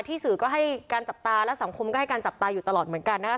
สื่อก็ให้การจับตาและสังคมก็ให้การจับตาอยู่ตลอดเหมือนกันนะครับ